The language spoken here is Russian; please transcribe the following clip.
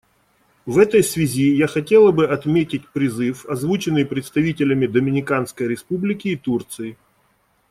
В этой связи я хотела бы отметить призыв, озвученный представителями Доминиканской Республики и Турции.